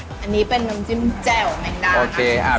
อันนี้เป็นน้ำจิ้มแจ่วแมงดาค่ะ